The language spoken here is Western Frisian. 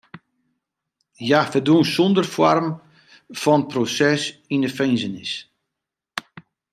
Hja ferdwûn sûnder foarm fan proses yn de finzenis.